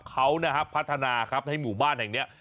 เขานะครับพัฒนาครับให้หมู่บ้านแห่งนี้